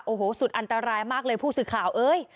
โอ้โหสุดอันตรายมากเลยผู้สื่อข่าวเอ้ย